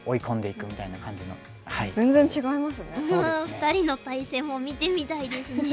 ２人の対戦も見てみたいですね。